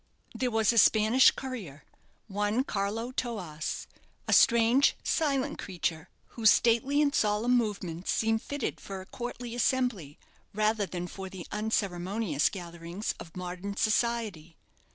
There was a Spanish courier, one Carlo Toas a strange, silent creature, whose stately and solemn movements seemed fitted for a courtly assembly, rather than for the unceremonious gatherings of modern society.